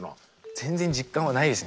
全然実感はないですね